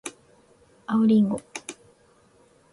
青りんご